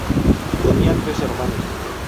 Tenía tres hermanos.